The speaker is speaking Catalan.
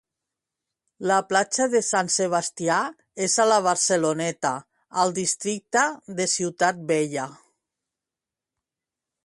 La Platja de Sant Sebastià és a la Barceloneta, al districte de Ciutat Vella.